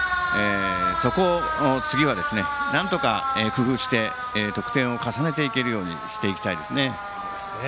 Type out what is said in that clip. そこを次は、なんとか工夫して得点を重ねていけるようにしていきたいですね。